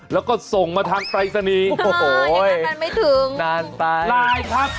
แล้วก็ส่งมาทางไตรสนีโอ้โฮยังงั้นมันไม่ถึงนานไปไลน์ครับ